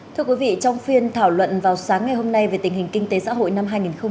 thưa quý vị trong phiên thảo luận vào sáng ngày hôm nay về tình hình kinh tế xã hội năm hai nghìn hai mươi ba